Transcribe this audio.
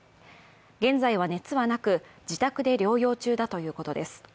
現在は熱はなく、自宅で療養中だということです。